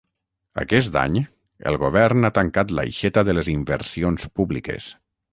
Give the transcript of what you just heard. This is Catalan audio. Aquest any, el govern ha tancat l'aixeta de les inversions públiques.